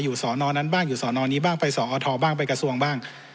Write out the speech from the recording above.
สอนอนั้นบ้างอยู่สอนอนี้บ้างไปสอทบ้างไปกระทรวงบ้าง